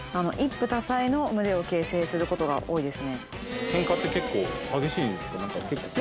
の群れを形成することが多いですね。